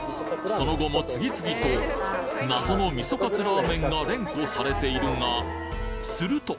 その後も次々と謎のみそカツラーメンが連呼されているがすると！